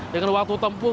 dengan waktu tempuh